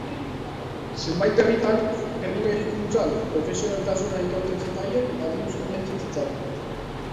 Zenbait herritan, herri-medikuntzan, profesionaltasuna aitortzen zitzaien eta diruz ordaintzen zitzaien.